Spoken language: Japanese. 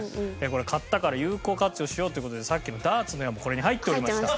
これ買ったから有効活用しようっていう事でさっきのダーツの矢もこれに入っておりました。